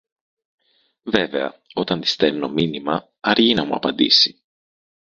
Βέβαια όταν της στέλνω μήνυμα αργεί να μου απαντήσει.